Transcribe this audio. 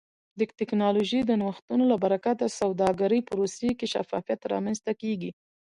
د ټکنالوژۍ د نوښتونو له برکته د سوداګرۍ پروسې کې شفافیت رامنځته کیږي.